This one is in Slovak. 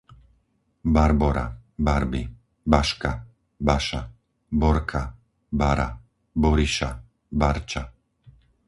Barbora, Barbi, Baška, Baša, Borka, Bara, Boriša, Barča